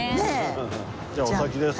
じゃあお先です